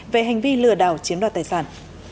về hành vi lừa đảo chiếm đoạt tài sản